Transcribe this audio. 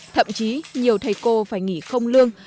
thậm chí nhiều thầy cô phải nghỉ không lương